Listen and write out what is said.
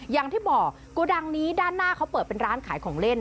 อย่างที่บอกโกดังนี้ด้านหน้าเขาเปิดเป็นร้านขายของเล่น